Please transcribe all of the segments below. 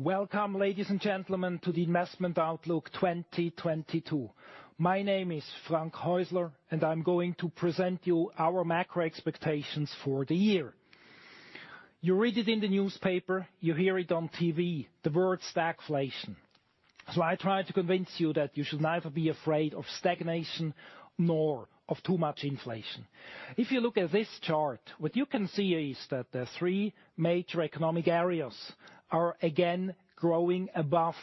Welcome, ladies and gentlemen, to the Vontobel Investment Outlook 2022. My name is Frank Häusler, and I'm going to present you our macro expectations for the year. You read it in the newspaper, you hear it on TV, the word stagflation. I try to convince you that you should neither be afraid of stagnation nor of too much inflation. If you look at this chart, what you can see is that the three major economic areas are again growing above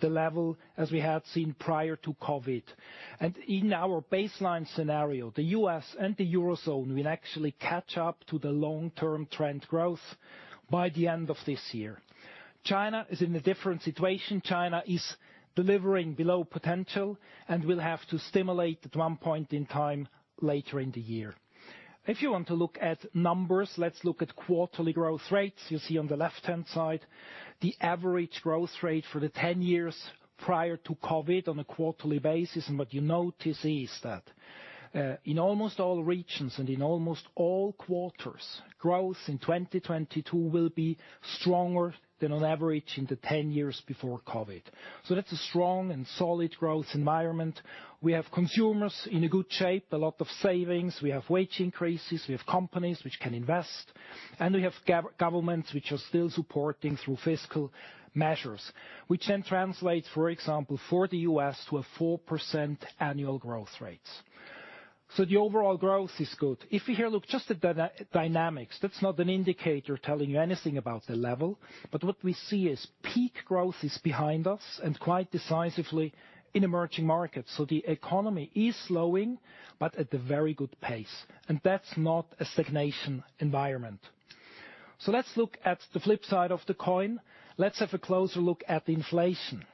the level as we had seen prior to COVID. In our baseline scenario, the U.S. and the Eurozone will actually catch up to the long-term trend growth by the end of this year. China is in a different situation. China is delivering below potential and will have to stimulate at one point in time later in the year. If you want to look at numbers, let's look at quarterly growth rates. You see on the left-hand side the average growth rate for the 10 years prior to COVID on a quarterly basis. What you notice is that, in almost all regions and in almost all quarters, growth in 2022 will be stronger than on average in the 10 years before COVID. That's a strong and solid growth environment. We have consumers in a good shape, a lot of savings. We have wage increases, we have companies which can invest, and we have governments which are still supporting through fiscal measures, which then translates, for example, for the U.S., to a 4% annual growth rates. The overall growth is good. If you look here just at dynamics, that's not an indicator telling you anything about the level, but what we see is peak growth behind us and quite decisively in emerging markets. The economy is slowing, but at a very good pace, and that's not a stagnation environment. Let's look at the flip side of the coin. Let's have a closer look at inflation.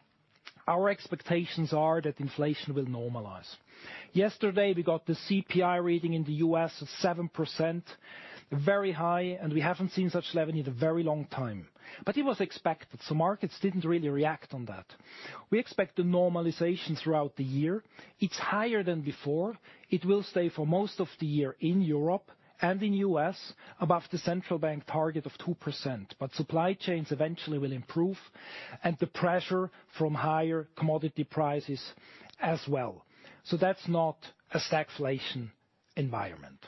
Our expectations are that inflation will normalize. Yesterday we got the CPI reading in the U.S. of 7%, very high, and we haven't seen such level in a very long time, but it was expected, so markets didn't really react on that. We expect the normalization throughout the year. It's higher than before. It will stay for most of the year in Europe and in U.S. above the central bank target of 2%. Supply chains eventually will improve and the pressure from higher commodity prices as well. That's not a stagflation environment.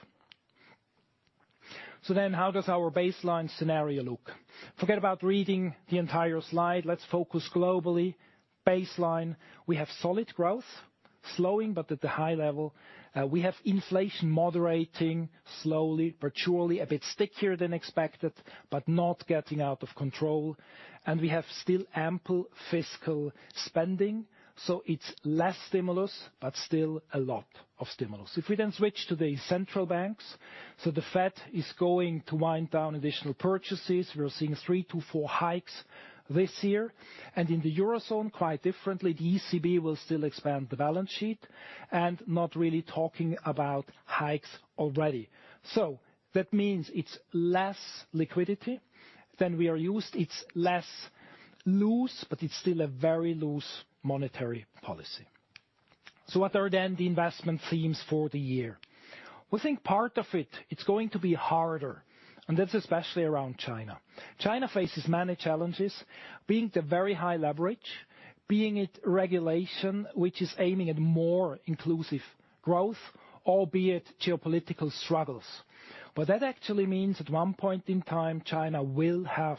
How does our baseline scenario look? Forget about reading the entire slide. Let's focus globally. Baseline, we have solid growth, slowing, but at a high level. We have inflation moderating slowly but surely, a bit stickier than expected, but not getting out of control. We have still ample fiscal spending, so it's less stimulus, but still a lot of stimulus. If we then switch to the central banks, so the Fed is going to wind down additional purchases. We are seeing three to four hikes this year. In the Eurozone, quite differently, the ECB will still expand the balance sheet and not really talking about hikes already. That means it's less liquidity than we are used. It's less loose, but it's still a very loose monetary policy. What are then the investment themes for the year? We think part of it's going to be harder, and that's especially around China. China faces many challenges, being the very high leverage, being IT regulation, which is aiming at more inclusive growth, albeit geopolitical struggles. That actually means at one point in time, China will have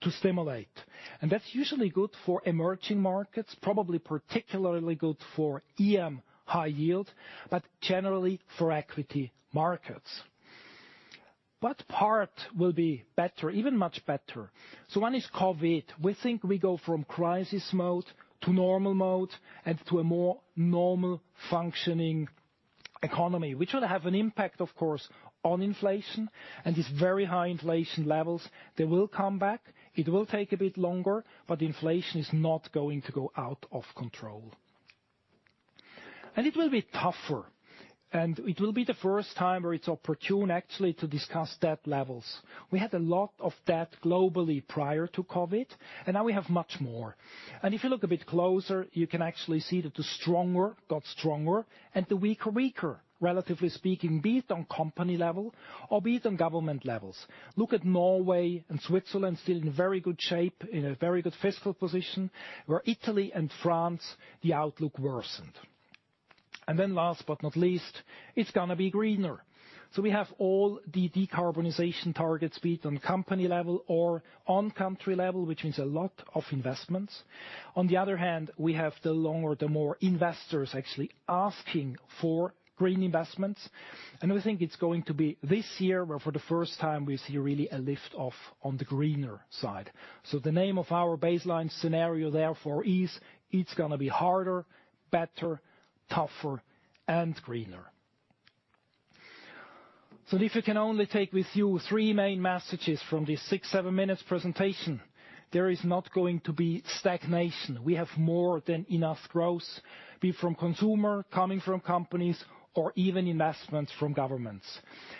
to stimulate, and that's usually good for emerging markets, probably particularly good for EM high yield, but generally for equity markets. Part will be better, even much better. One is COVID. We think we go from crisis mode to normal mode and to a more normal functioning economy, which will have an impact, of course, on inflation and these very high inflation levels. They will come back. It will take a bit longer, but inflation is not going to go out of control. It will be tougher, and it will be the first time where it's opportune actually to discuss debt levels. We had a lot of debt globally prior to COVID, and now we have much more. If you look a bit closer, you can actually see that the stronger got stronger and the weaker, relatively speaking, be it on company level or be it on government levels. Look at Norway and Switzerland, still in very good shape, in a very good fiscal position. Where Italy and France, the outlook worsened. Then last but not least, it's gonna be greener. We have all the decarbonization targets, be it on company level or on country level, which means a lot of investments. On the other hand, we have the longer, the more investors actually asking for green investments. We think it's going to be this year where for the first time we see really a lift off on the greener side. The name of our baseline scenario therefore is, it's gonna be harder, better, tougher, and greener. If you can only take with you three main messages from this six, seven minutes presentation, there is not going to be stagnation. We have more than enough growth, be it from consumer, coming from companies or even investments from governments.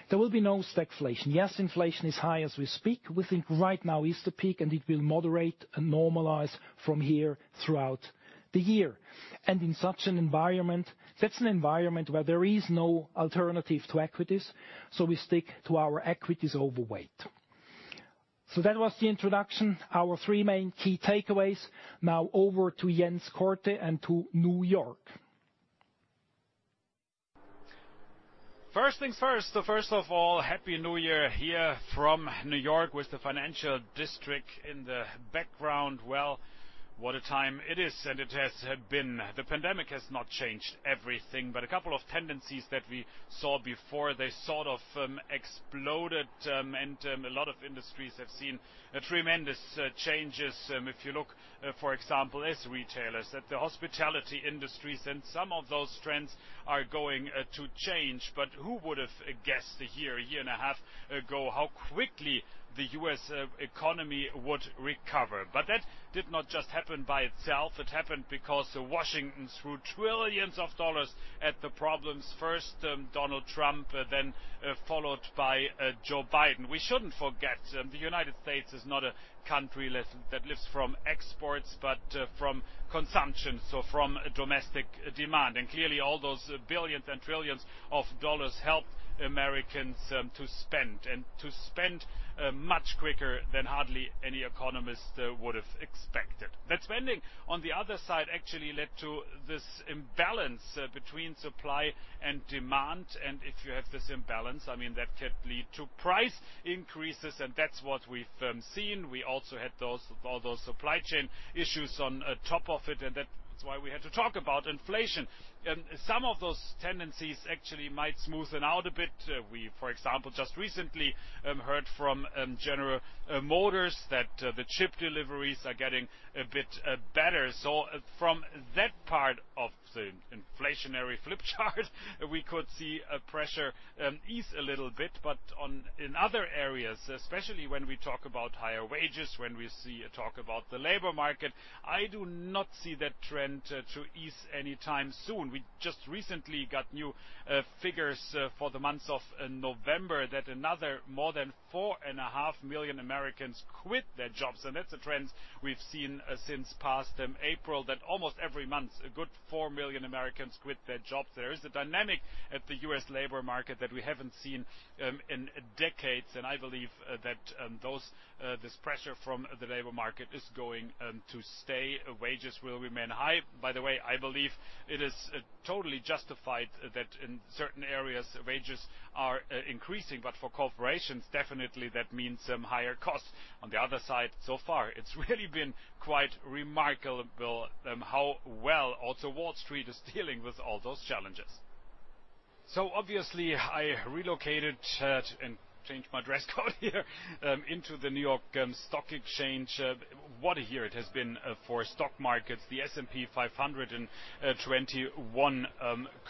There will be no stagflation. Yes, inflation is high as we speak. We think right now is the peak and it will moderate and normalize from here throughout the year. In such an environment, that's an environment where there is no alternative to equities, so we stick to our equities overweight. That was the introduction, our three main key takeaways. Now over to Jens Korte and to New York. First things first. First of all, happy New Year here from New York with the Financial District in the background. Well, what a time it is, and it has been. The pandemic has not changed everything, but a couple of tendencies that we saw before, they sort of exploded, and a lot of industries have seen tremendous changes, if you look, for example, at retailers, at the hospitality industries, and some of those trends are going to change. Who would have guessed a year and a half ago, how quickly the U.S. economy would recover? That did not just happen by itself. It happened because Washington threw trillions of dollars at the problems. First, Donald Trump, then followed by Joe Biden. We shouldn't forget, the United States is not a country that lives from exports, but from consumption, so from domestic demand. Clearly, all those billions and trillions of dollars helped Americans to spend much quicker than hardly any economist would have expected. That spending, on the other side, actually led to this imbalance between supply and demand. If you have this imbalance, I mean, that could lead to price increases, and that's what we've seen. We also had all those supply chain issues on top of it, and that is why we had to talk about inflation. Some of those tendencies actually might smoothen out a bit. We, for example, just recently heard from General Motors that the chip deliveries are getting a bit better. From that part of the inflationary flip chart, we could see a pressure ease a little bit. In other areas, especially when we talk about higher wages, when we see a talk about the labor market, I do not see that trend to ease anytime soon. We just recently got new figures for the months of November that another more than 4.5 million Americans quit their jobs, and that's a trend we've seen since past April, that almost every month, a good four million Americans quit their job. There is a dynamic at the U.S. labor market that we haven't seen in decades, and I believe that this pressure from the labor market is going to stay. Wages will remain high. By the way, I believe it is totally justified that in certain areas, wages are increasing, but for corporations, definitely that means some higher costs. On the other side, so far, it's really been quite remarkable how well also Wall Street is dealing with all those challenges. Obviously, I relocated to the New York Stock Exchange and changed my dress code here in the New York Stock Exchange. What a year it has been for stock markets. The S&P 500 in 2021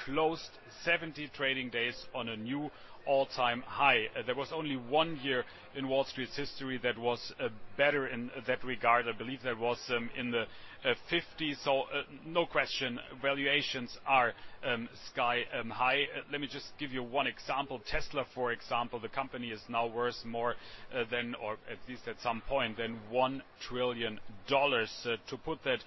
closed 70 trading days on a new all-time high. There was only one year in Wall Street's history that was better in that regard. I believe that was in the fifties. No question, valuations are sky high. Let me just give you one example. Tesla, for example, the company is now worth more than, or at least at some point, than $1 trillion. To put that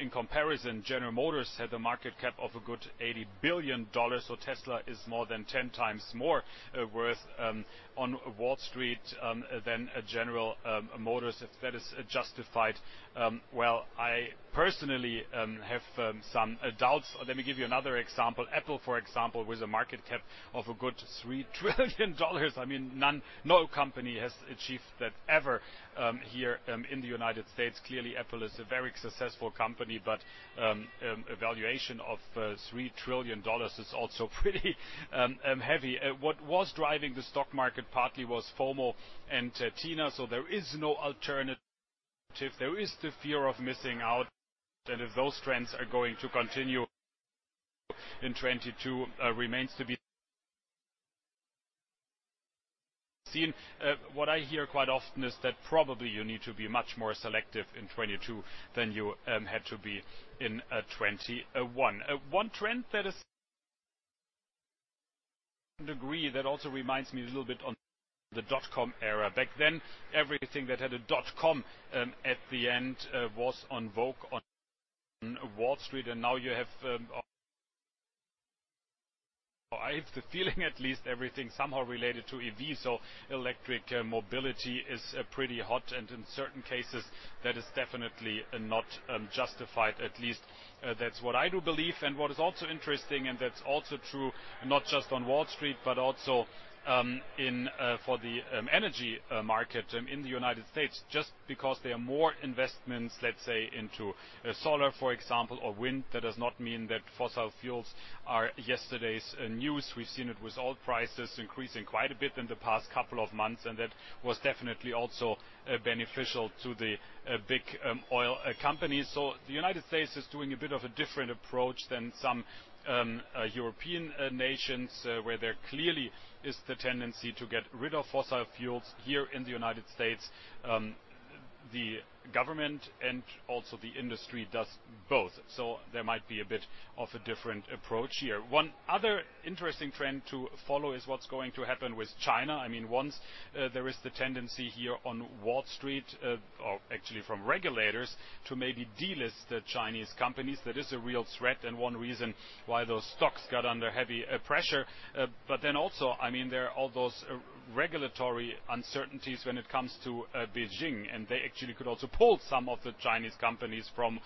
in comparison, General Motors had a market cap of a good $80 billion. Tesla is more than 10 times more worth on Wall Street than General Motors. If that is justified, well, I personally have some doubts. Let me give you another example. Apple, for example, with a market cap of a good $3 trillion. I mean, no company has achieved that ever here in the United States. Clearly, Apple is a very successful company, but valuation of $3 trillion is also pretty heavy. What was driving the stock market partly was FOMO and TINA, so there is no alternative. There is the fear of missing out that if those trends are going to continue in 2022 remains to be seen. What I hear quite often is that probably you need to be much more selective in 2022 than you had to be in 2021. One trend that is indeed that also reminds me a little bit of the dot-com era. Back then, everything that had a dot-com at the end was in vogue on Wall Street, and now, I have the feeling at least everything somehow related to EV, so electric mobility is pretty hot, and in certain cases, that is definitely not justified. At least, that's what I do believe. What is also interesting, and that's also true not just on Wall Street, but also in, for the energy market in the United States, just because there are more investments, let's say, into solar, for example, or wind, that does not mean that fossil fuels are yesterday's news. We've seen it with oil prices increasing quite a bit in the past couple of months, and that was definitely also beneficial to the big oil companies. The United States is doing a bit of a different approach than some European nations, where there clearly is the tendency to get rid of fossil fuels here in the United States. The government and also the industry does both. There might be a bit of a different approach here. One other interesting trend to follow is what's going to happen with China. I mean, once, there is the tendency here on Wall Street, or actually from regulators, to maybe delist the Chinese companies. That is a real threat, and one reason why those stocks got under heavy, pressure. Then also, I mean, there are all those, regulatory uncertainties when it comes to, Beijing, and they actually could also pull some of the Chinese companies from,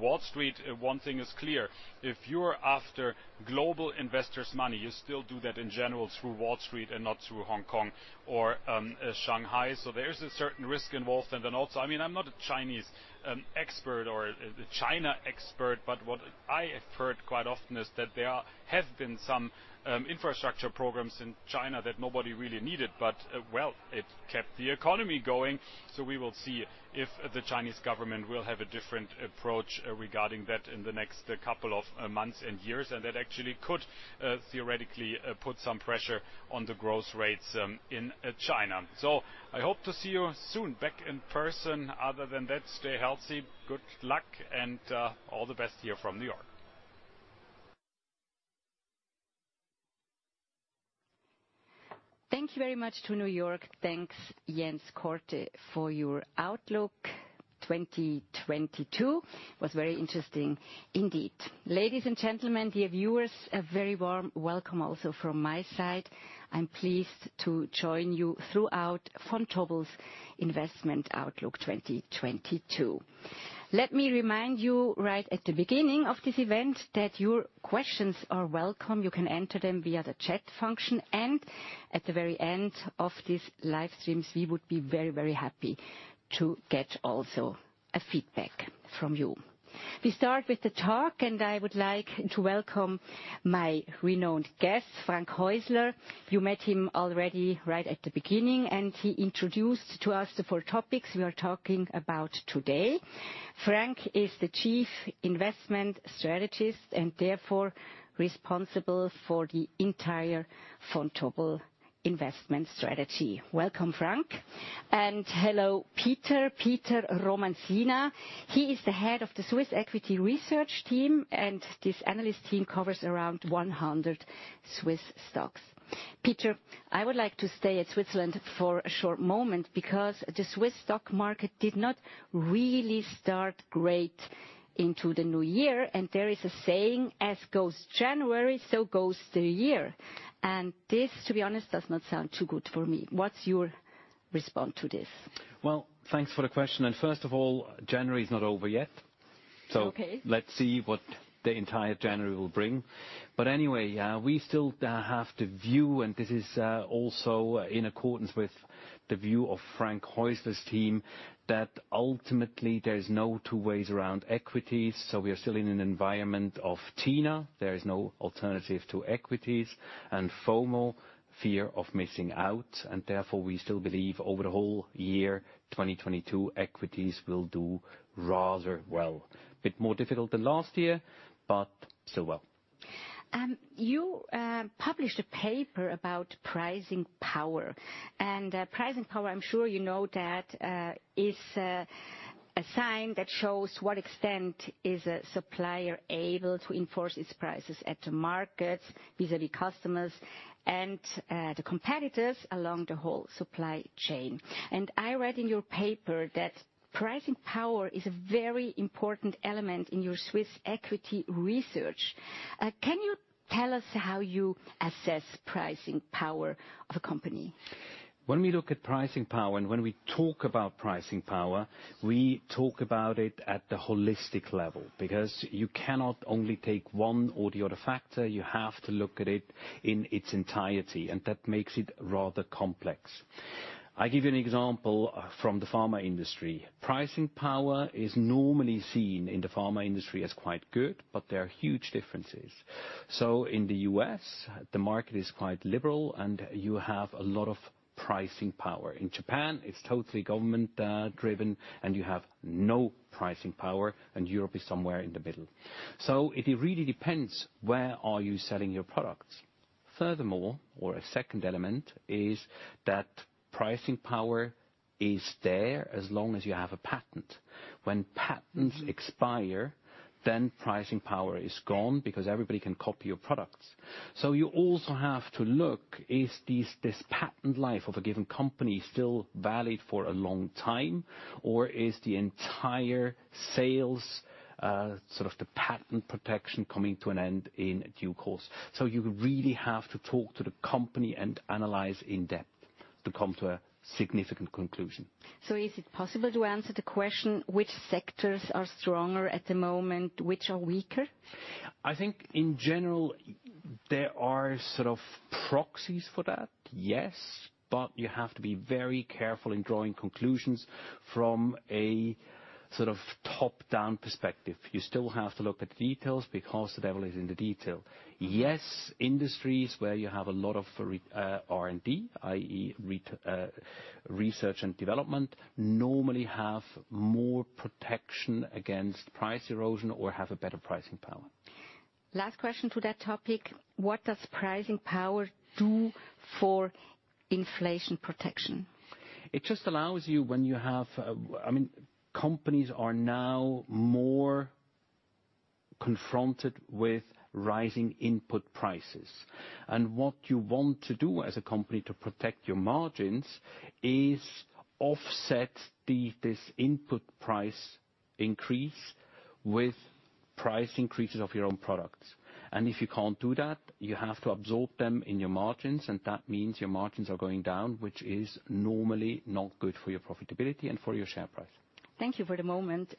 Wall Street. One thing is clear: if you're after global investors' money, you still do that in general through Wall Street and not through Hong Kong or, Shanghai. There is a certain risk involved. Then also, I mean, I'm not a Chinese expert or a China expert, but what I have heard quite often is that there have been some infrastructure programs in China that nobody really needed, but, well, it kept the economy going. We will see if the Chinese government will have a different approach regarding that in the next couple of months and years, and that actually could theoretically put some pressure on the growth rates in China. I hope to see you soon back in person. Other than that, stay healthy, good luck, and all the best to you from New York. Thank you very much to New York. Thanks, Jens Korte, for your outlook. 2022 was very interesting indeed. Ladies and gentlemen, dear viewers, a very warm welcome also from my side. I'm pleased to join you throughout Vontobel's Investment Outlook 2022. Let me remind you right at the beginning of this event that your questions are welcome. You can enter them via the chat function, and at the very end of these live streams, we would be very, very happy to get also a feedback from you. We start with the talk, and I would like to welcome my renowned guest, Frank Häusler. You met him already right at the beginning, and he introduced to us the four topics we are talking about today. Frank is the Chief Investment Strategist, and therefore responsible for the entire Vontobel investment strategy. Welcome, Frank. Hello, Peter Romanzina. He is the Head of the Swiss Equity Research team, and this analyst team covers around 100 Swiss stocks. Peter, I would like to stay at Switzerland for a short moment because the Swiss stock market did not really start great into the new year, and there is a saying, "As goes January, so goes the year." This, to be honest, does not sound too good for me. What's your response to this? Well, thanks for the question, and first of all, January is not over yet. Okay. Let's see what the entire January will bring. Anyway, we still have the view, and this is also in accordance with the view of Frank Häusler's team, that ultimately there's no two ways around equities. We are still in an environment of TINA, there is no alternative to equities, and FOMO, fear of missing out, and therefore we still believe over the whole year 2022, equities will do rather well, a bit more difficult than last year, but still well. You published a paper about pricing power. Pricing power, I'm sure you know that, is a sign that shows to what extent a supplier is able to enforce its prices at the market vis-à-vis customers and the competitors along the whole supply chain. I read in your paper that pricing power is a very important element in your Swiss equity research. Can you tell us how you assess pricing power of a company? When we look at pricing power, and when we talk about pricing power, we talk about it at the holistic level because you cannot only take one or the other factor. You have to look at it in its entirety, and that makes it rather complex. I give you an example from the pharma industry. Pricing power is normally seen in the pharma industry as quite good, but there are huge differences. In the U.S., the market is quite liberal, and you have a lot of pricing power. In Japan, it's totally government driven, and you have no pricing power, and Europe is somewhere in the middle. It really depends where are you selling your products. Furthermore, or a second element is that pricing power is there as long as you have a patent. When patents expire, then pricing power is gone because everybody can copy your products. You also have to look, is this patent life of a given company still valid for a long time, or is the entire sales, sort of the patent protection coming to an end in due course? You really have to talk to the company and analyze in depth to come to a significant conclusion. Is it possible to answer the question which sectors are stronger at the moment, which are weaker? I think in general, there are sort of proxies for that, yes. You have to be very careful in drawing conclusions from a sort of top-down perspective. You still have to look at the details because the devil is in the detail. Yes, industries where you have a lot of R&D, i.e., research and development, normally have more protection against price erosion or have a better pricing power. Last question to that topic, what does pricing power do for inflation protection? It just allows you when you have, I mean, companies are now more confronted with rising input prices. What you want to do as a company to protect your margins is offset this input price increase with price increases of your own products. If you can't do that, you have to absorb them in your margins, and that means your margins are going down, which is normally not good for your profitability and for your share price. Thank you for the moment,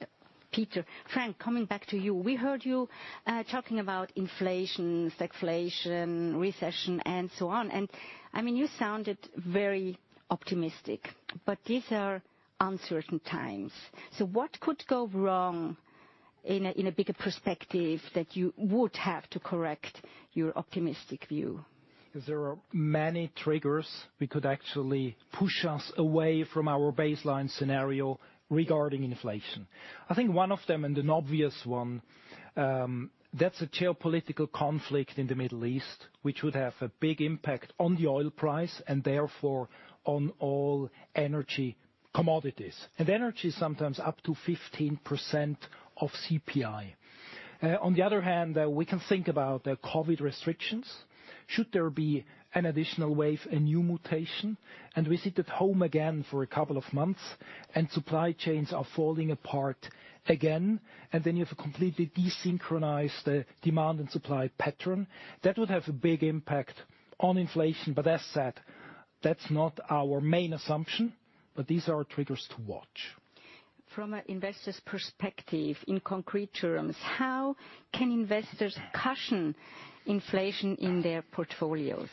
Peter. Frank, coming back to you. We heard you talking about inflation, stagflation, recession, and so on. I mean, you sounded very optimistic, but these are uncertain times. What could go wrong in a bigger perspective that you would have to correct your optimistic view? There are many triggers. That could actually push us away from our baseline scenario regarding inflation. I think one of them, and an obvious one, that's a geopolitical conflict in the Middle East, which would have a big impact on the oil price and therefore on all energy commodities. Energy is sometimes up to 15% of CPI. On the other hand, we can think about the COVID restrictions. Should there be an additional wave, a new mutation, and we sit at home again for a couple of months and supply chains are falling apart again, and then you have a completely desynchronized demand and supply pattern, that would have a big impact on inflation. As said, that's not our main assumption, but these are triggers to watch. From an investor's perspective, in concrete terms, how can investors cushion inflation in their portfolios?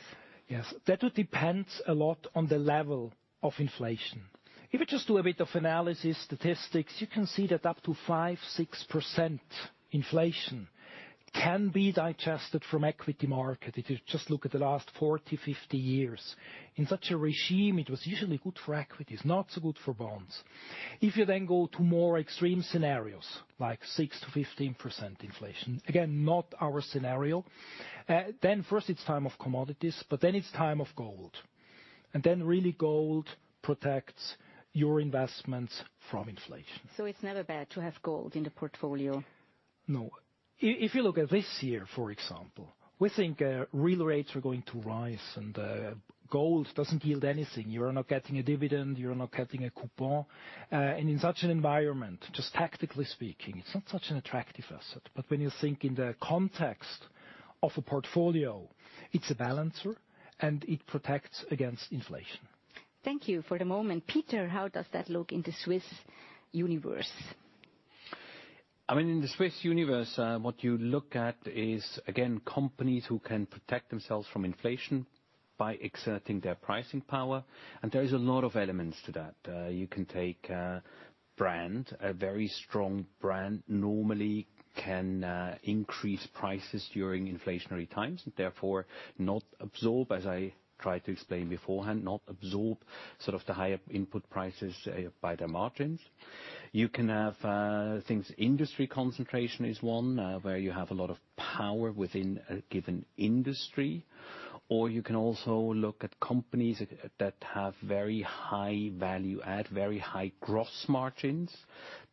Yes. That would depend a lot on the level of inflation. If you just do a bit of analysis, statistics, you can see that up to 5%-6% inflation can be digested from equity market. If you just look at the last 40, 50 years. In such a regime, it was usually good for equities, not so good for bonds. If you then go to more extreme scenarios, like 6%-15% inflation, again, not our scenario, then first it's time of commodities, but then it's time of gold. Really gold protects your investments from inflation. It's never bad to have gold in the portfolio? No. If you look at this year, for example, we think real rates are going to rise and gold doesn't yield anything. You're not getting a dividend, you're not getting a coupon. In such an environment, just tactically speaking, it's not such an attractive asset. When you think in the context of a portfolio, it's a balancer and it protects against inflation. Thank you for the moment. Peter, how does that look in the Swiss universe? I mean, in the Swiss universe, what you look at is, again, companies who can protect themselves from inflation by exerting their pricing power, and there is a lot of elements to that. You can take a brand. A very strong brand normally can increase prices during inflationary times, and therefore not absorb, as I tried to explain beforehand, sort of the higher input prices by their margins. You can have things. Industry concentration is one, where you have a lot of power within a given industry. You can also look at companies that have very high value-added, very high gross margins.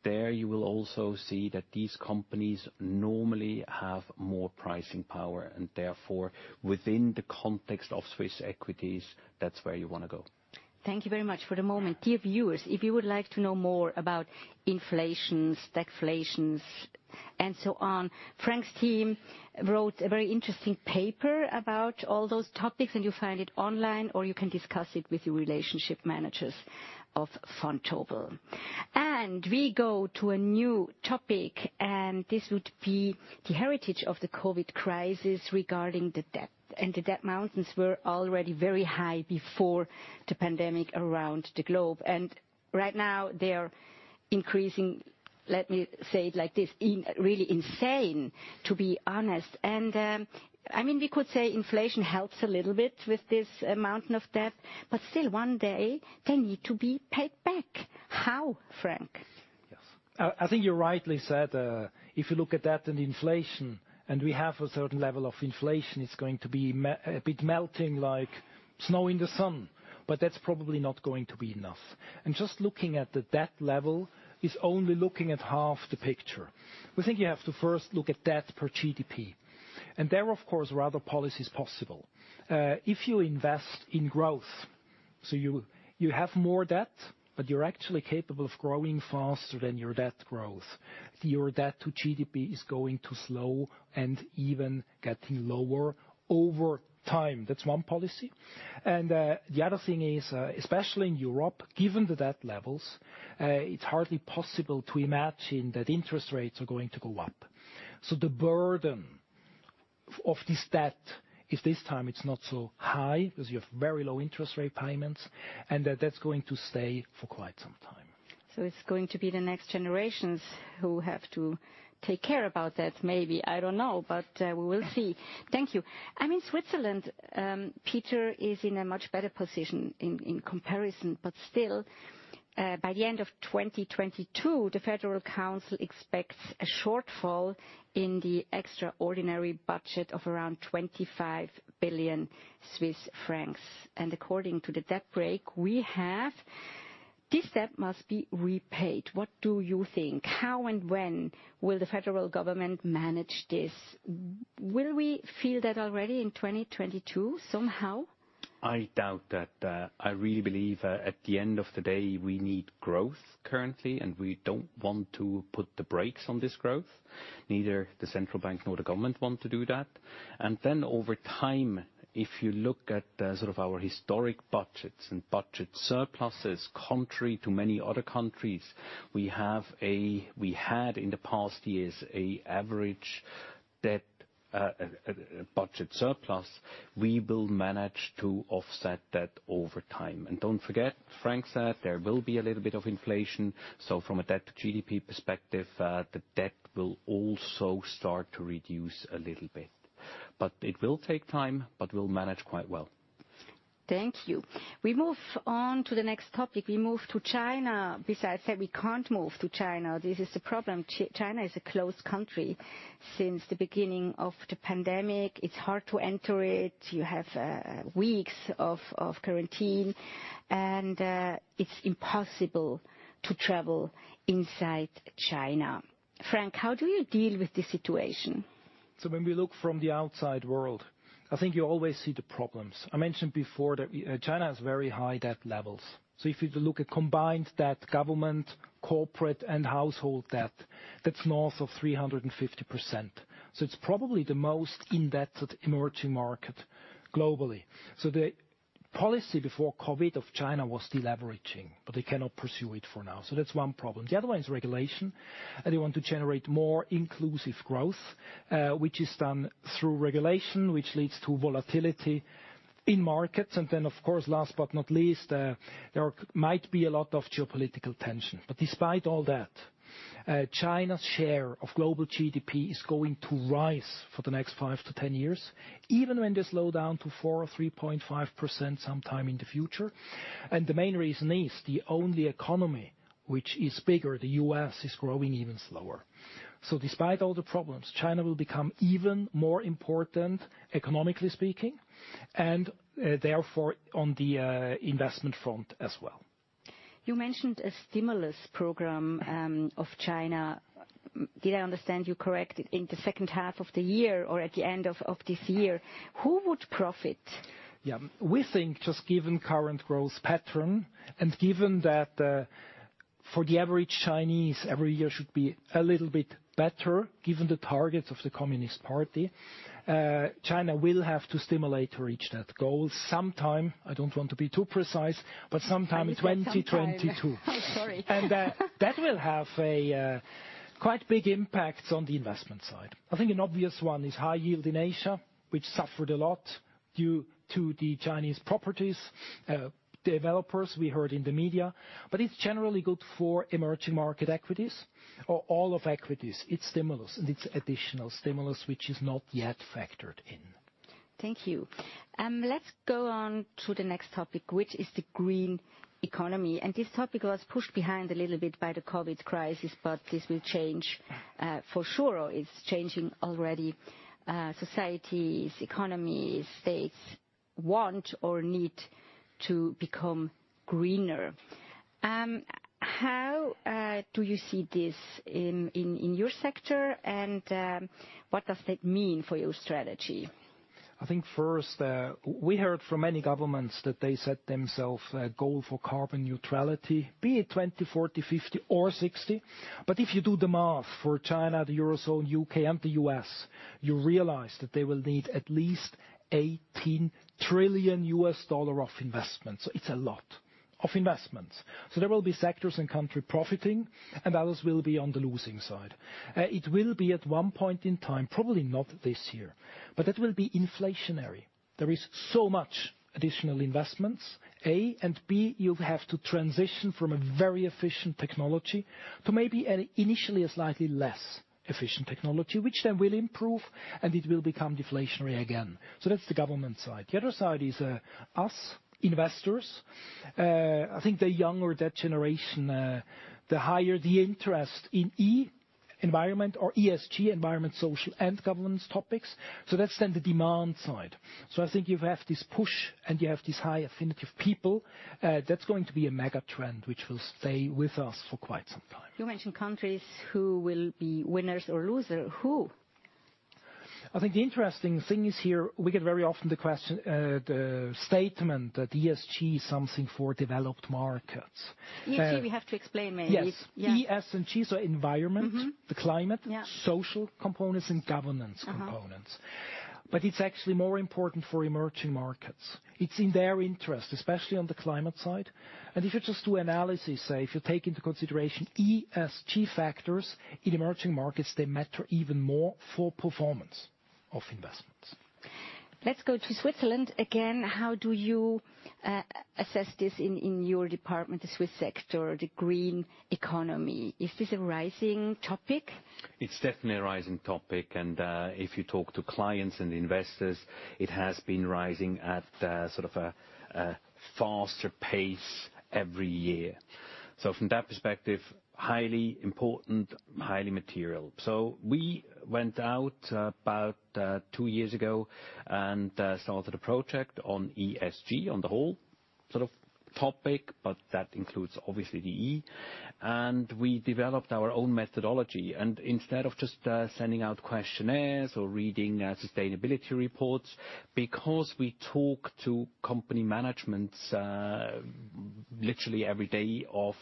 There, you will also see that these companies normally have more pricing power and therefore within the context of Swiss equities, that's where you wanna go. Thank you very much for the moment. Dear viewers, if you would like to know more about inflation, deflation, and so on, Frank's team wrote a very interesting paper about all those topics, and you'll find it online, or you can discuss it with your relationship managers of Vontobel. We go to a new topic, and this would be the heritage of the COVID crisis regarding the debt. The debt mountains were already very high before the pandemic around the globe, and right now they are increasing, let me say it like this, in really insane, to be honest. I mean, we could say inflation helps a little bit with this mountain of debt, but still one day they need to be paid back. How, Frank? Yes. I think you rightly said, if you look at that and inflation, and we have a certain level of inflation, it's going to be a bit melting like snow in the sun, but that's probably not going to be enough. Just looking at the debt level is only looking at half the picture. We think you have to first look at debt per GDP. There, of course, are other policies possible. If you invest in growth, you have more debt, but you're actually capable of growing faster than your debt growth. Your debt to GDP is going to slow and even getting lower over time. That's one policy. The other thing is, especially in Europe, given the debt levels, it's hardly possible to imagine that interest rates are going to go up. The burden of this debt is this time it's not so high because you have very low interest rate payments, and that's going to stay for quite some time. It's going to be the next generations who have to take care about that, maybe. I don't know, but we will see. Thank you. I'm in Switzerland. Peter is in a much better position in comparison, but still, by the end of 2022, the Federal Council expects a shortfall in the extraordinary budget of around 25 billion Swiss francs. According to the debt brake we have, this debt must be repaid. What do you think? How and when will the federal government manage this? Will we feel that already in 2022 somehow? I doubt that. I really believe at the end of the day, we need growth currently, and we don't want to put the brakes on this growth. Neither the central bank nor the government want to do that. Then over time, if you look at sort of our historic budgets and budget surpluses, contrary to many other countries, we had in the past years an average budget surplus. We will manage to offset that over time. Don't forget, Frank said there will be a little bit of inflation. From a debt-to-GDP perspective, the debt will also start to reduce a little bit. It will take time, but we'll manage quite well. Thank you. We move on to the next topic. We move to China. Besides that, we can't move to China. This is the problem. China is a closed country since the beginning of the pandemic. It's hard to enter it. You have weeks of quarantine, and it's impossible to travel inside China. Frank, how do you deal with this situation? When we look from the outside world, I think you always see the problems. I mentioned before that, China has very high debt levels. If you look at combined debt, government, corporate, and household debt, that's north of 350%. It's probably the most indebted emerging market globally. The policy before COVID of China was deleveraging, but they cannot pursue it for now. That's one problem. The other one is regulation. They want to generate more inclusive growth, which is done through regulation, which leads to volatility in markets. Of course, last but not least, there might be a lot of geopolitical tension. Despite all that, China's share of global GDP is going to rise for the next five to 10 years, even when they slow down to 4% or 3.5% sometime in the future. The main reason is the only economy which is bigger, the U.S., is growing even slower. Despite all the problems, China will become even more important, economically speaking, and therefore, on the investment front as well. You mentioned a stimulus program of China. Did I understand you correct, in the second half of the year or at the end of this year? Who would profit? Yeah. We think just given current growth pattern, and given that, for the average Chinese, every year should be a little bit better, given the targets of the Communist Party, China will have to stimulate to reach that goal sometime. I don't want to be too precise, but sometime in 2022. Sometime. Oh, sorry. That will have a quite big impact on the investment side. I think an obvious one is high yield in Asia, which suffered a lot due to the Chinese property developers we heard in the media. It's generally good for emerging market equities or all of equities. It's stimulus, and it's additional stimulus which is not yet factored in. Thank you. Let's go on to the next topic, which is the green economy. This topic was pushed behind a little bit by the COVID crisis, but this will change for sure, or it's changing already. Societies, economies, states want or need to become greener. How do you see this in your sector, and what does that mean for your strategy? I think first, we heard from many governments that they set themselves a goal for carbon neutrality, be it 2020, 2040, 2050, or 2060. If you do the math for China, the Eurozone, U.K., and the U.S., you realize that they will need at least $18 trillion of investment. It's a lot of investment. There will be sectors and countries profiting, and others will be on the losing side. It will be at one point in time, probably not this year, but that will be inflationary. There is so much additional investments, A, and B, you have to transition from a very efficient technology to maybe initially a slightly less efficient technology, which then will improve, and it will become deflationary again. That's the government side. The other side is, us, investors. I think the younger generation, the higher the interest in E, environment or ESG, environment, social, and governance topics. That's then the demand side. I think you have this push, and you have this high affinity of people. That's going to be a mega trend which will stay with us for quite some time. You mentioned countries who will be winners or losers. Who? I think the interesting thing is here, we get very often the statement that ESG is something for developed markets. ESG, we have to explain maybe. Yes. Yeah. E, S, and G, so environment- Mm-hmm. The climate- Yeah ...social components and governance components. Uh-huh. It's actually more important for emerging markets. It's in their interest, especially on the climate side. If you just do analysis, say, if you take into consideration ESG factors in emerging markets, they matter even more for performance of investments. Let's go to Switzerland again. How do you assess this in your department, the Swiss sector, the green economy? Is this a rising topic? It's definitely a rising topic, and if you talk to clients and investors, it has been rising at sort of a faster pace every year. From that perspective, highly important, highly material. We went out about two years ago and started a project on ESG, on the whole sort of topic, but that includes obviously the E. We developed our own methodology, and instead of just sending out questionnaires or reading sustainability reports, because we talk to company managements literally every day of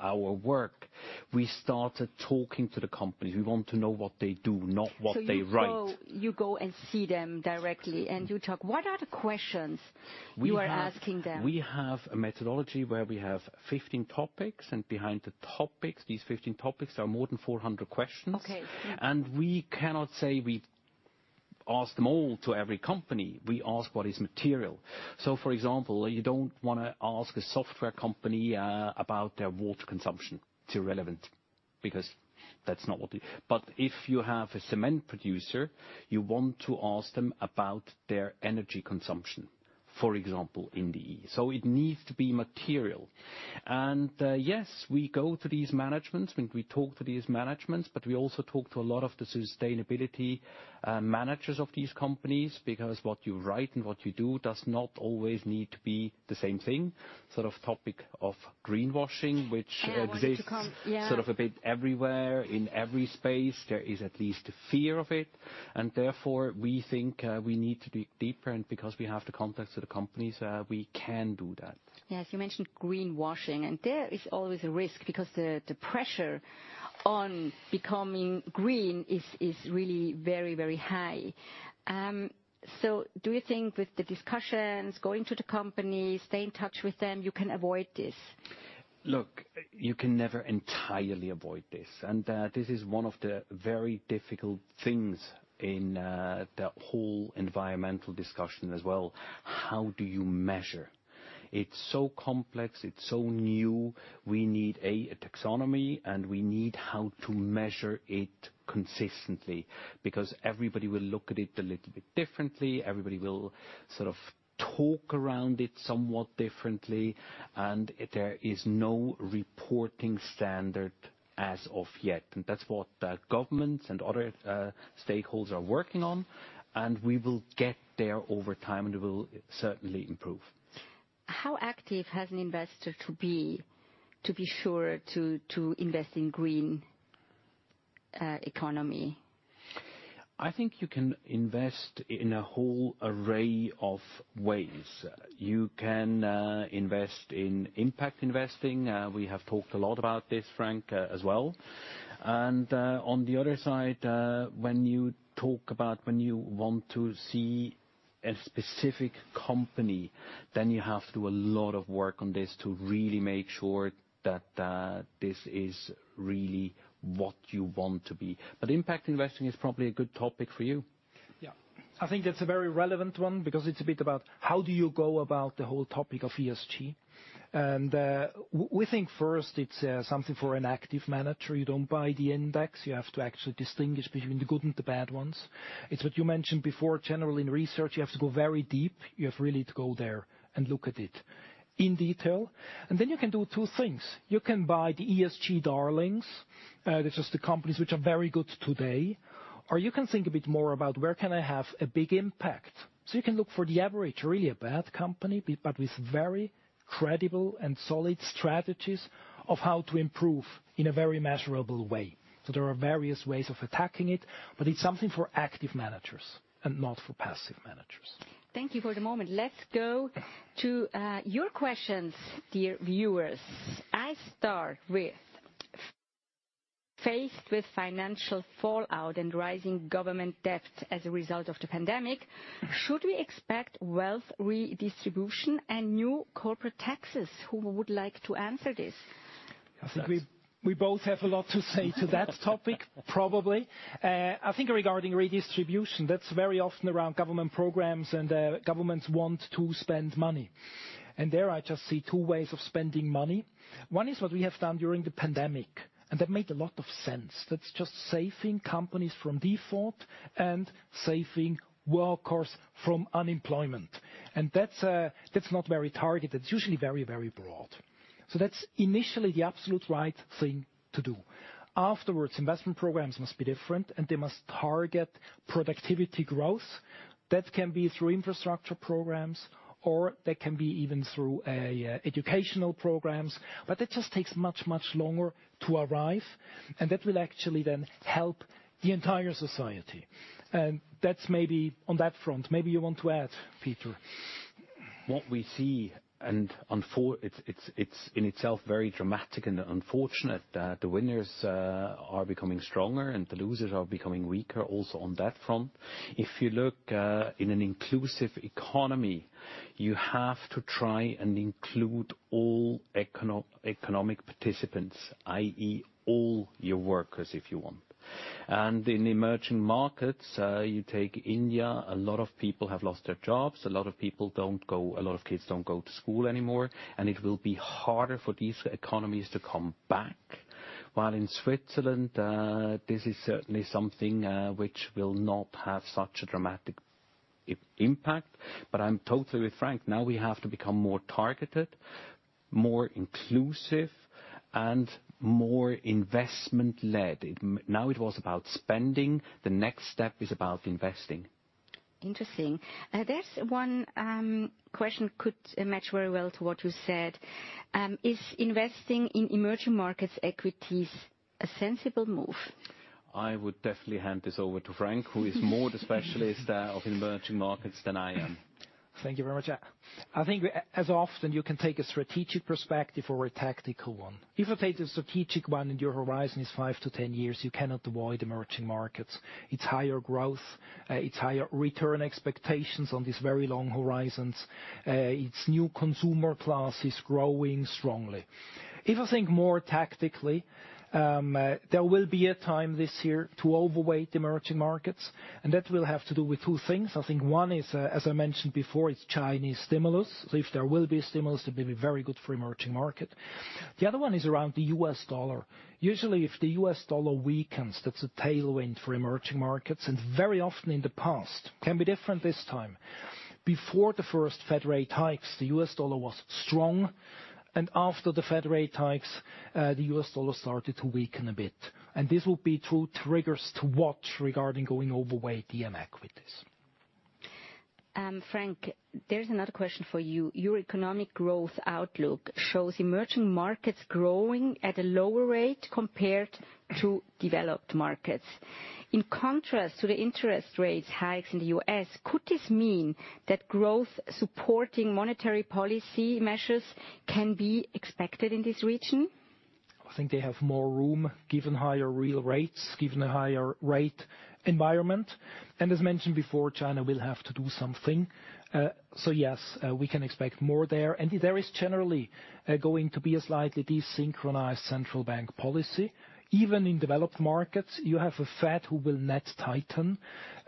our work, we started talking to the companies. We want to know what they do, not what they write. You go and see them directly, and you talk. What are the questions you are asking them? We have a methodology where we have 15 topics, and behind the topics, these 15 topics, are more than 400 questions. Okay. Mm-hmm. We cannot say we ask them all to every company. We ask what is material. For example, you don't wanna ask a software company about their water consumption. It's irrelevant. But if you have a cement producer, you want to ask them about their energy consumption, for example, in the E. It needs to be material. Yes, we go to these managements and we talk to these managements, but we also talk to a lot of the sustainability managers of these companies because what you write and what you do does not always need to be the same thing. Sort of topic of greenwashing, which exists- I wanted to come. Yeah. ...sort of a bit everywhere. In every space there is at least a fear of it, and therefore we think we need to dig deeper. Because we have the contacts to the companies, we can do that. Yes, you mentioned greenwashing, and there is always a risk because the pressure on becoming green is really very high. Do you think with the discussions, going to the company, stay in touch with them, you can avoid this? Look, you can never entirely avoid this, and this is one of the very difficult things in the whole environmental discussion as well. How do you measure? It's so complex. It's so new. We need a taxonomy, and we need how to measure it consistently because everybody will look at it a little bit differently. Everybody will sort of talk around it somewhat differently, and there is no reporting standard as of yet. That's what governments and other stakeholders are working on, and we will get there over time, and it will certainly improve. How active has an investor to be to be sure to invest in green economy? I think you can invest in a whole array of ways. You can invest in impact investing. We have talked a lot about this, Frank, as well. On the other side, you want to see a specific company, then you have to do a lot of work on this to really make sure that this is really what you want to buy. Impact investing is probably a good topic for you. Yeah. I think it's a very relevant one because it's a bit about how do you go about the whole topic of ESG. We think first it's something for an active manager. You don't buy the index. You have to actually distinguish between the good and the bad ones. It's what you mentioned before, generally in research, you have to go very deep. You have really to go there and look at it in detail. Then you can do two things. You can buy the ESG darlings, which is the companies which are very good today. You can think a bit more about where can I have a big impact. You can look for the average, really a bad company, but with very credible and solid strategies of how to improve in a very measurable way. There are various ways of attacking it, but it's something for active managers and not for passive managers. Thank you for the moment. Let's go to your questions, dear viewers. I start with, faced with financial fallout and rising government debt as a result of the pandemic, should we expect wealth redistribution and new corporate taxes? Who would like to answer this? I think we both have a lot to say to that topic, probably. I think regarding redistribution, that's very often around government programs and, governments want to spend money. There I just see two ways of spending money. One is what we have done during the pandemic, and that made a lot of sense. That's just saving companies from default and saving workers from unemployment. That's not very targeted. It's usually very broad. That's initially the absolute right thing to do. Afterwards, investment programs must be different, and they must target productivity growth. That can be through infrastructure programs or that can be even through an educational programs. That just takes much longer to arrive, and that will actually then help the entire society. That's maybe on that front. Maybe you want to add, Peter. What we see and it's in itself very dramatic and unfortunate that the winners are becoming stronger and the losers are becoming weaker also on that front. If you look in an inclusive economy, you have to try and include all economic participants, i.e. all your workers if you want. In emerging markets, you take India, a lot of people have lost their jobs, a lot of kids don't go to school anymore, and it will be harder for these economies to come back. While in Switzerland, this is certainly something which will not have such a dramatic impact. I'm totally with Frank, now we have to become more targeted, more inclusive and more investment-led. Now it was about spending, the next step is about investing. Interesting. There's one question could match very well to what you said. Is investing in emerging markets equities a sensible move? I would definitely hand this over to Frank, who is more the specialist of emerging markets than I am. Thank you very much. I think as often you can take a strategic perspective or a tactical one. If I take the strategic one and your horizon is five to 10 years, you cannot avoid emerging markets. It's higher growth, it's higher return expectations on these very long horizons. Its new consumer class is growing strongly. If I think more tactically, there will be a time this year to overweight emerging markets, and that will have to do with two things. I think one is, as I mentioned before, it's Chinese stimulus. If there will be a stimulus, it will be very good for emerging market. The other one is around the U.S. dollar. Usually, if the U.S. dollar weakens, that's a tailwind for emerging markets, and very often in the past, can be different this time. Before the first Fed rate hikes, the U.S. dollar was strong, and after the Fed rate hikes, the U.S. dollar started to weaken a bit. This will be two triggers to watch regarding going overweight EM equities. Frank, there's another question for you. Your economic growth outlook shows emerging markets growing at a lower rate compared to developed markets. In contrast to the interest rates hikes in the U.S., could this mean that growth-supporting monetary policy measures can be expected in this region? I think they have more room, given higher real rates, given a higher rate environment. As mentioned before, China will have to do something. Yes, we can expect more there. There is generally going to be a slightly desynchronized central bank policy. Even in developed markets, you have a Fed who will net tighten,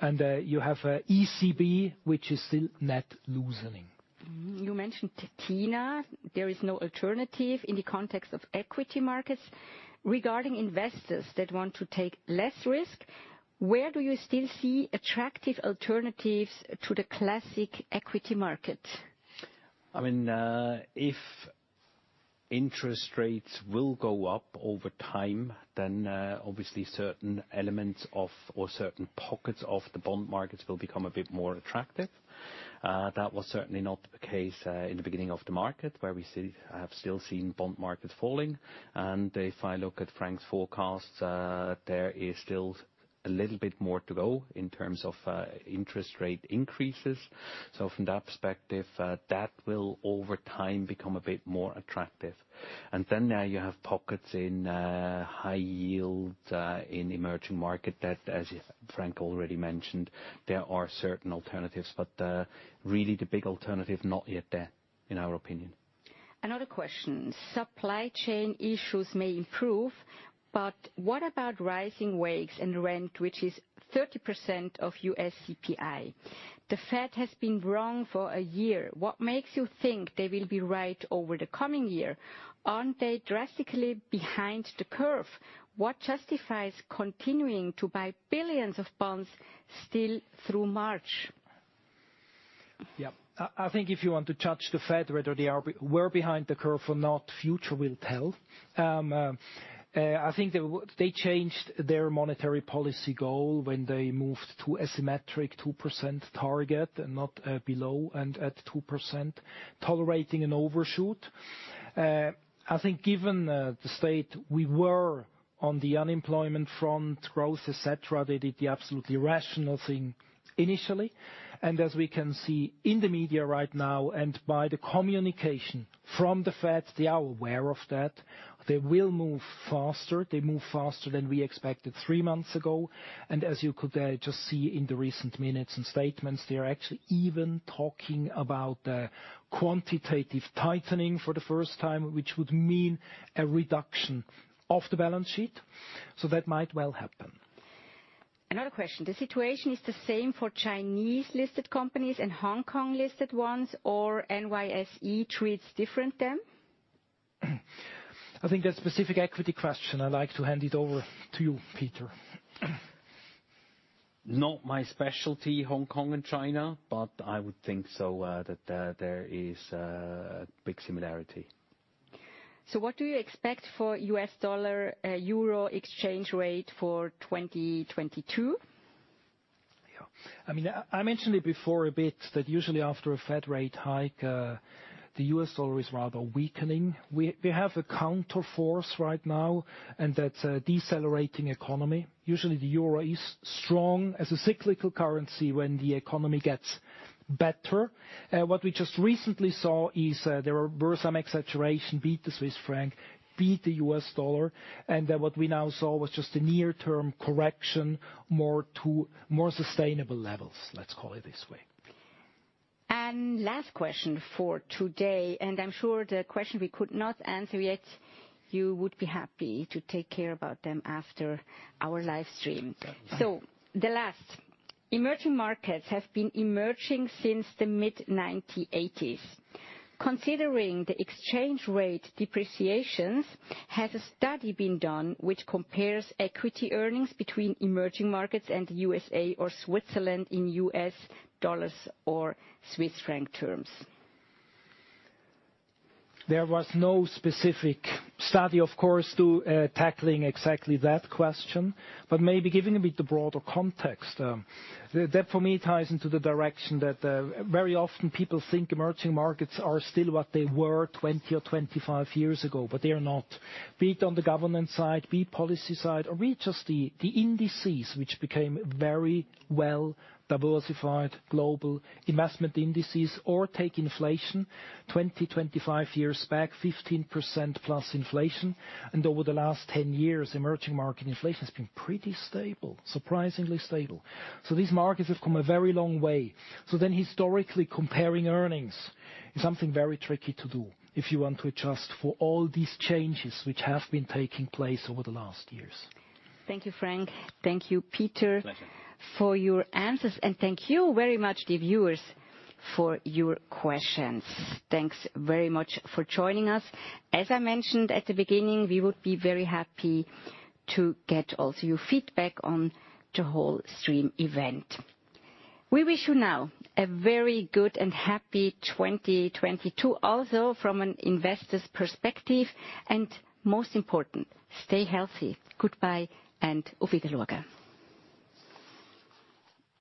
and you have ECB, which is still net loosening. You mentioned TINA, there is no alternative, in the context of equity markets. Regarding investors that want to take less risk, where do you still see attractive alternatives to the classic equity market? I mean, if interest rates will go up over time, then, obviously certain elements of, or certain pockets of the bond markets will become a bit more attractive. That was certainly not the case, in the beginning of the market, where we have still seen bond markets falling. If I look at Frank's forecasts, there is still a little bit more to go in terms of, interest rate increases. From that perspective, that will over time become a bit more attractive. Now you have pockets in, high yield, in emerging market that, as Frank already mentioned, there are certain alternatives. Really the big alternative, not yet there, in our opinion. Another question. Supply chain issues may improve, but what about rising wages and rent, which is 30% of U.S. CPI? The Fed has been wrong for a year. What makes you think they will be right over the coming year? Aren't they drastically behind the curve? What justifies continuing to buy billions of bonds still through March? Yeah. I think if you want to judge the Fed, whether they were behind the curve or not, future will tell. I think they changed their monetary policy goal when they moved to asymmetric 2% target and not below and at 2%, tolerating an overshoot. I think given the state we were on the unemployment front, growth, et cetera, they did the absolutely rational thing initially. As we can see in the media right now and by the communication from the Fed, they are aware of that. They will move faster. They move faster than we expected three months ago. As you could just see in the recent minutes and statements, they are actually even talking about quantitative tightening for the first time, which would mean a reduction of the balance sheet. That might well happen. Another question. The situation is the same for Chinese-listed companies and Hong Kong-listed ones or NYSE treats them differently? I think that's a specific equity question. I'd like to hand it over to you, Peter. Not my specialty, Hong Kong and China, but I would think so, that there is a big similarity. What do you expect for U.S. dollar, euro exchange rate for 2022? Yeah. I mean, I mentioned it before a bit that usually after a Fed rate hike, the U.S. dollar is rather weakening. We have a counterforce right now, and that's a decelerating economy. Usually, the euro is strong as a cyclical currency when the economy gets better. What we just recently saw is, there were some exaggeration, beat the Swiss franc, beat the U.S. dollar, and then what we now saw was just a near-term correction, more to more sustainable levels, let's call it this way. Last question for today, and I'm sure the questions we could not answer yet. You would be happy to take care of them after our live stream. Yeah. Emerging markets have been emerging since the mid-1980s. Considering the exchange rate depreciations, has a study been done which compares equity earnings between emerging markets and USA or Switzerland in US dollars or Swiss franc terms? There was no specific study, of course, to tackling exactly that question, but maybe giving a bit the broader context. That for me ties into the direction that very often people think emerging markets are still what they were 20 or 25 years ago, but they are not. Be it on the government side, be it policy side, or be just the indices, which became very well-diversified global investment indices, or take inflation. 20, 25 years back, 15%+ inflation, and over the last 10 years, emerging market inflation has been pretty stable, surprisingly stable. These markets have come a very long way. Historically, comparing earnings is something very tricky to do if you want to adjust for all these changes which have been taking place over the last years. Thank you, Frank. Thank you, Peter. Pleasure. Thanks for your answers, and thank you very much to the viewers for your questions. Thanks very much for joining us. As I mentioned at the beginning, we would be very happy to get also your feedback on the whole stream event. We wish you now a very good and happy 2022, also from an investor's perspective, and most important, stay healthy. Goodbye, and auf Wiedersehen.